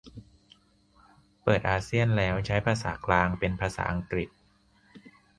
เปิดอาเซียนแล้ว ใช้ภาษากลางเป็นภาษาอังกฤษ